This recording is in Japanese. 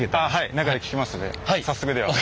中で聴けますんで早速では。